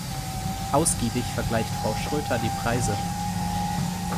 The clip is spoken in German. Ausgiebig vergleicht Frau Schröter die Preise.